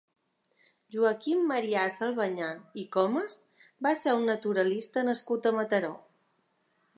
Joaquim Marià Salvañà i Comas va ser un naturalista nascut a Mataró.